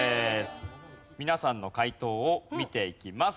皆さんの解答を見ていきます。